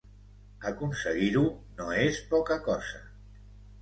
Aconseguir-ho no és poca cosa.